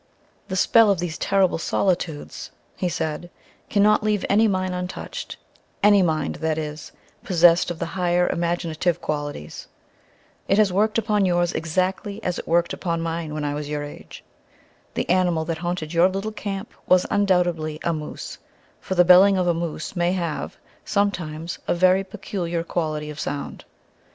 "The spell of these terrible solitudes," he said, "cannot leave any mind untouched, any mind, that is, possessed of the higher imaginative qualities. It has worked upon yours exactly as it worked upon my own when I was your age. The animal that haunted your little camp was undoubtedly a moose, for the 'belling' of a moose may have, sometimes, a very peculiar quality of sound.